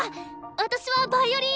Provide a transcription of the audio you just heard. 私はヴァイオリン。